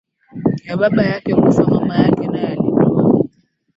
ya baba yake kufa mama yake naye alijiua